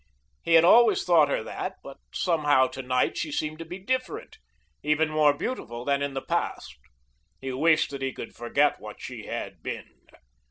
He had always thought her that, but somehow to night she seemed to be different, even more beautiful than in the past. He wished that he could forget what she had been.